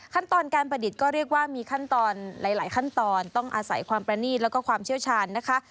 ขั้นตอนการประดิษฐ์ก็เรียกว่ามีขั้นตอนหลายขั้นตอนต้องอาศัยความประนีตแล้วก็ความเชี่ยวชาญนะคะ